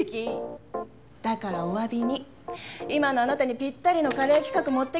だからお詫びに今のあなたにぴったりのカレー企画持ってきたの。